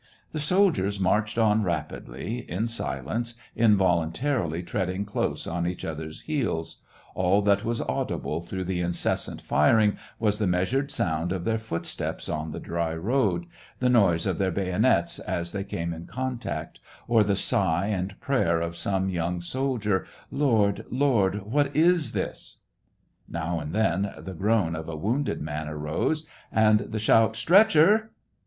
The soldiers marched on rapidly, in silence, involuntarily treading close on each other's heels ; all that was audible through the incessant firing was the measured sound of their footsteps on the dry road, the noise of their bayonets as they came in contact, or the sigh and prayer of some young soldier, " Lord, Lord ! what is this !" Now and then the groan of a wounded man arose, and the shout, " Stretcher